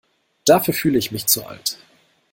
Dafür fühle ich mich zu alt.